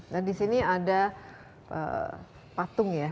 dan di sini ada patung ya